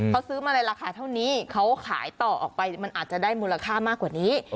เขาซื้อมาในราคาเท่านี้เขาขายต่อออกไปมันอาจจะได้มูลค่ามากกว่านี้